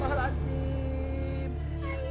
ya allah zim